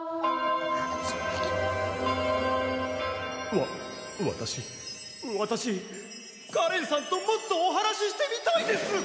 わ私私花恋さんともっとお話ししてみたいです！